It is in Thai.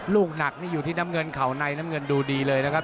ลูกหนักนี่อยู่ที่น้ำเงินเข่าในน้ำเงินดูดีเลยนะครับ